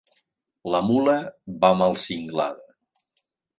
La mula va mal cinglada.